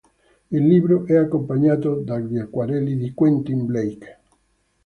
Il libro è accompagnato dagli acquarelli di Quentin Blake.